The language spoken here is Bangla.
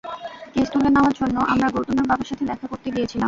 কেস তুলে নেওয়ার জন্য, আমরা গৌতমের বাবার সাথে দেখা করতে গিয়েছিলাম।